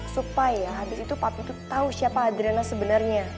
supaya habis itu papi tuh tahu siapa adriana sebenarnya